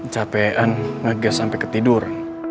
capekan ngegas sampe ketidur